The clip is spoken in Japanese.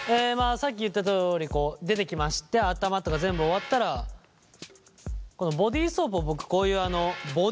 さっき言ったとおりこう出てきまして頭とか全部終わったらこのボディーソープを僕こういうあのボディータオル。